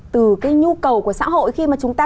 từ cái nhu cầu của xã hội khi mà chúng ta